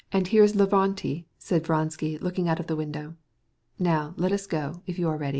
"Here's Lavrenty," said Vronsky, looking out of the window; "now we can go, if you like."